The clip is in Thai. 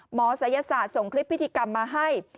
ศัยศาสตร์ส่งคลิปพิธีกรรมมาให้